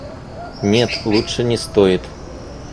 Нет, лучше не стоит.